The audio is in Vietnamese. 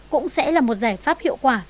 cũng sẽ là một giải pháp hiệu quả